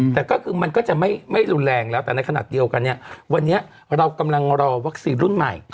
แต่ก็คือมันก็จะไม่รุนแรงแล้วแต่ในขณะเดียวกันเนี่ยวันนี้เรากำลังรอวัคซีนรุ่นใหม่